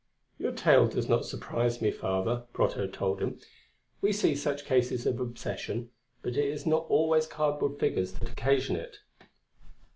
"Your tale does not surprise me, father," Brotteaux told him, "We see such cases of obsession; but it is not always cardboard figures that occasion it."